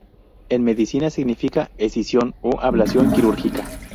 En medicina significa 'escisión' o 'ablación quirúrgica'.